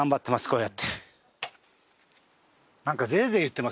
こうやって。